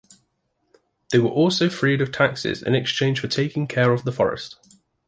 They were also freed of taxes in exchange for taking care of the forest.